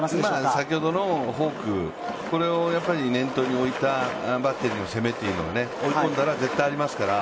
先ほどのフォークを念頭に置いたバッターの攻めは追い込んだら絶対ありますから。